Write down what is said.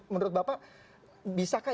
menurut bapak bisakah